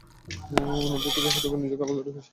অন্যদের থেকে সতর্কভাবে নিজেকে আলাদা করে রেখেছে।